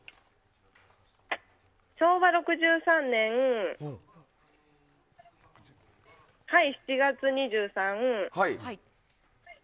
昭和６３年７月２３。